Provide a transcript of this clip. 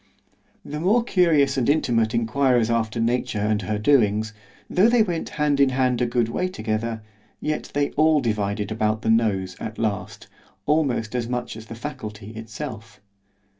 The more curious and intimate inquirers after nature and her doings, though they went hand in hand a good way together, yet they all divided about the nose at last, almost as much as the Faculty itself.